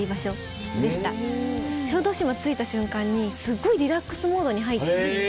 小豆島着いた瞬間にすっごいリラックスモードに入って。